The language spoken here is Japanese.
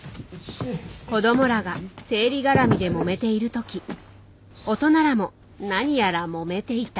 子供らが生理絡みでもめている時大人らも何やらもめていた。